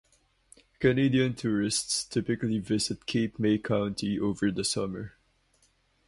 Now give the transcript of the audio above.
Canadian tourists typically visit Cape May County over the summer.